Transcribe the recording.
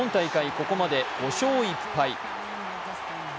ここまで５勝１敗。